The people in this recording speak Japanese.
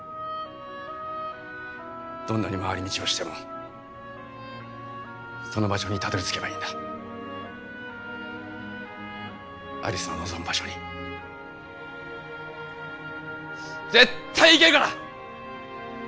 どんなに回り道をしてもその場所にたどり着けばいいんだ有栖の望む場所に絶対行けるから！